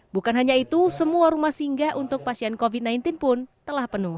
bukan hanya itu semua rumah singgah untuk pasien covid sembilan belas pun telah penuh